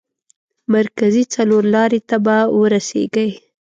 مرکزي څلور لارې ته به ورسېږئ.